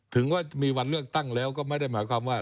ถึงว่ามีวันเลือกตั้งแล้วก็ไม่ได้หมายความว่า